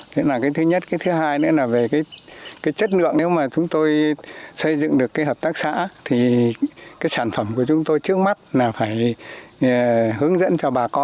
thế là cái thứ nhất cái thứ hai nữa là về cái chất lượng nếu mà chúng tôi xây dựng được cái hợp tác xã thì cái sản phẩm của chúng tôi trước mắt là phải hướng dẫn cho bà con